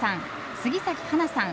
杉咲花さん